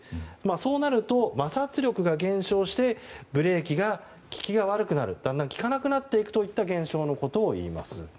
そうなると、摩擦力が減少してブレーキの利きが悪くなるだんだん利かなくなっていく現象のことをいいます。